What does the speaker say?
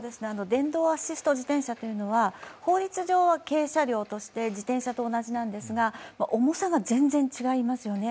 電動アシスト自転車というのは、法律上は軽車両として自転車と同じなんですが重さが全然、違いますよね。